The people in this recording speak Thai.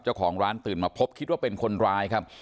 เจ้าของร้านตื่นมาพบคิดว่าเป็นคนร้ายครับ